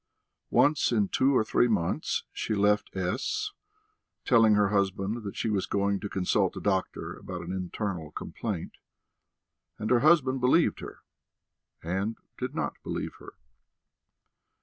Once in two or three months she left S , telling her husband that she was going to consult a doctor about an internal complaint and her husband believed her, and did not believe her.